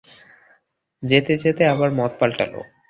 যেতে যেতে আবার মত পালটাল।